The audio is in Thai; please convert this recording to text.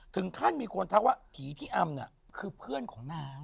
ถึงขั้นมีคนทักว่าผีพี่อำน่ะคือเพื่อนของนาง